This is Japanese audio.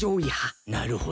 なるほど。